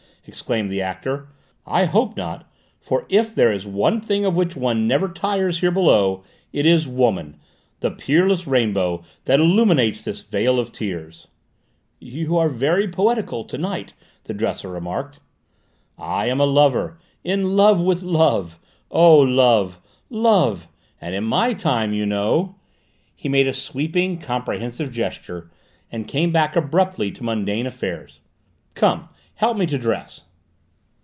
exclaimed the actor. "I hope not, for if there is one thing of which one never tires here below, it is Woman, the peerless rainbow that illuminates this vale of tears!" "You are very poetical to night," the dresser remarked. "I am a lover in love with love! Oh, Love, Love! And in my time, you know " He made a sweeping, comprehensive gesture, and came back abruptly to mundane affairs. "Come, help me to dress."